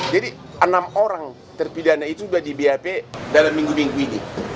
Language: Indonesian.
jadi enam orang terpidana itu sudah di bhp dalam minggu minggu ini